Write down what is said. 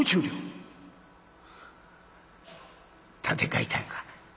「立て替えたんか？」。